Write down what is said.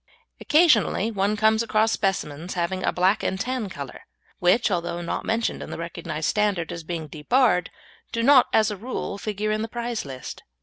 Occasionally one comes across specimens having a black and tan colour, which, although not mentioned in the recognised standard as being debarred, do not as a rule figure in the prize list.